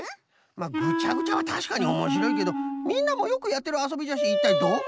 ぐちゃぐちゃはたしかにおもしろいけどみんなもよくやってるあそびじゃしいったいどこにビビッと。